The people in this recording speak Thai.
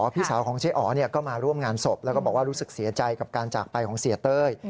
พี่สาวของเจ๊อ๋อก็มาร่วมงานศพแล้วก็บอกว่ารู้สึกเสียใจกับการจากไปของเสียเต้ย